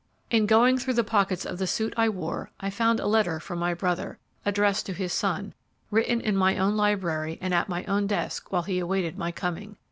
In going through the pockets of the suit I wore I found a letter from my brother, addressed to his son, written in my own library and at my own desk while he awaited my coming.